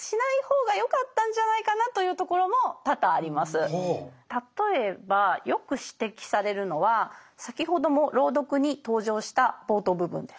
正直な話例えばよく指摘されるのは先ほども朗読に登場した冒頭部分です。